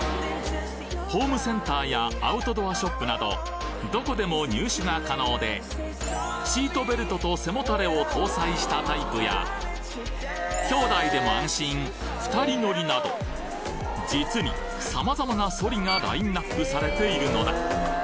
ホームセンターやアウトドアショップなどどこでも入手が可能でを搭載したタイプやきょうだいでも安心２人乗りなど実に様々なソリがラインナップされているのだ